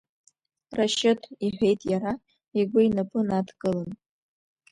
Рашьыҭ, — иҳәеит иара, игәы инапы надкылан.